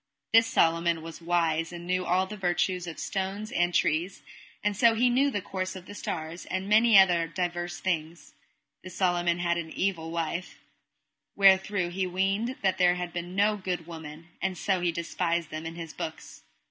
This Solomon was wise and knew all the virtues of stones and trees, and so he knew the course of the stars, and many other divers things. This Solomon had an evil wife, wherethrough he weened that there had been no good woman, and so he despised them in his books.